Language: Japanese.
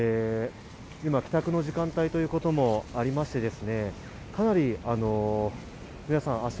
今、帰宅の時間帯ということもありましてかなり皆さん